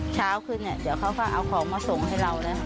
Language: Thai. เช้าขึ้นเนี่ยเดี๋ยวเขาก็เอาของมาส่งให้เราแล้ว